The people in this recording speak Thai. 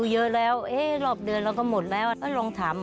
ป้าก็ทำของคุณป้าได้ยังไงสู้ชีวิตขนาดไหนติดตามกัน